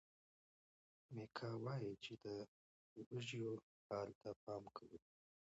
میکا وایي چې د وږیو حال ته پام کوي.